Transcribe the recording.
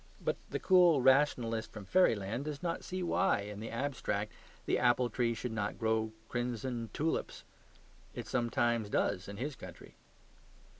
But the cool rationalist from fairyland does not see why, in the abstract, the apple tree should not grow crimson tulips; it sometimes does in his country.